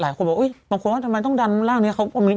หลายคนบอกบางคนว่าทำไมต้องดันร่างนี้